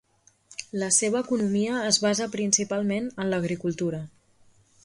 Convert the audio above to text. La seva economia es basa principalment en l'agricultura.